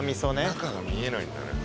中が見えないんだよね。